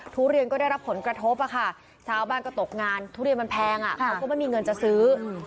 ทุเรียนก็ได้รับผลกระทบอะค่ะชาวบ้านก็ตกงานทุเรียนมันแพงเขาก็ไม่มีเงินจะซื้อ